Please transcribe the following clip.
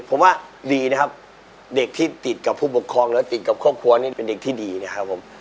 ผมว่าดีนะครับเด็กที่ติดกับผู้ปกครองและติดกับครอบครัวนี่เป็นเด็กที่ดีนะครับผม